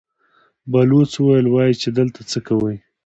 بلوڅ وويل: وايي چې دلته څه کوئ؟